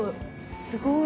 すごい。